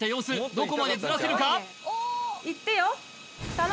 どこまでずらせるか？